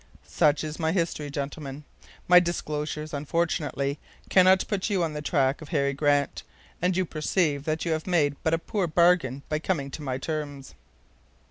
Such is my history, gentlemen. My disclosures, unfortunately, cannot put you on the track of Harry Grant, and you perceive that you have made but a poor bargain by coming to my terms."